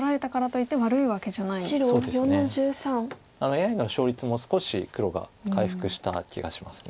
ＡＩの勝率も少し黒が回復した気がします。